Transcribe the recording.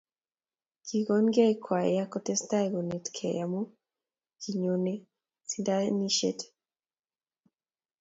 Kikonkei kwaya kotestai konetkei amu kinyone sindanishet